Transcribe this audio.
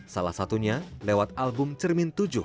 salah satunya lewat album cermin tujuh